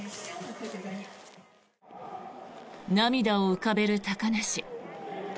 涙を浮かべる高梨。